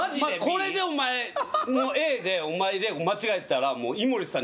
これでお前Ａでお前で間違えたらははははっ